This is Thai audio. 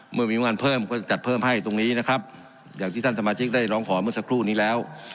เมื่อมีงานเพิ่มก็จัดเพิ่มให้ตรงนี้นะครับอย่างที่ท่านสมาชิกได้ร้องขอเมื่อสักครู่นี้แล้ว